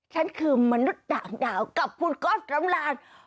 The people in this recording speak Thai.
ฉันคือมนุษย์ด่างดาวกับคุณก๊อตสำราญ